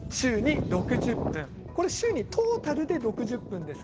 週にトータルで６０分です。